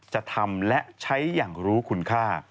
จะทำและใช้อย่างรู้คุณค่า